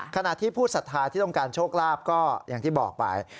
ขณะที่ผู้ศรัทธาที่ต้องการโชคลาภก็อย่างที่บอกไป